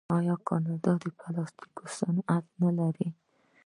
آیا کاناډا د پلاستیک صنعت نلري؟